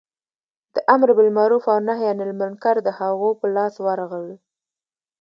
د امر بالمعروف او نهې عن المنکر د هغو په لاس ورغلل.